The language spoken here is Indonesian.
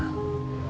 kita bubar aja semua